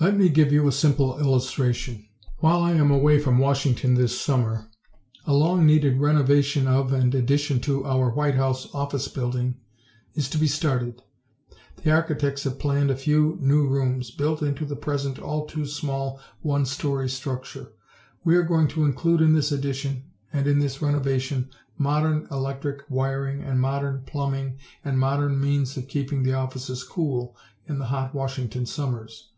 Let me give you a simple illustration: While I am away from Washington this summer, a long needed renovation of and addition to our White House office building is to be started. The architects have planned a few new rooms built into the present all too small one story structure. We are going to include in this addition and in this renovation modern electric wiring and modern plumbing and modern means of keeping the offices cool in the hot Washington summers.